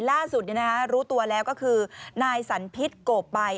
ล่าสุดรู้ตัวแล้วก็คือนายสันพิษโกใบ